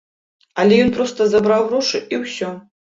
Але ён проста забраў грошы і ўсё.